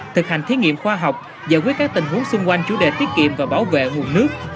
thực hành thiết nghiệm khoa học giải quyết các tình huống xung quanh chủ đề tiết kiệm và bảo vệ nguồn nước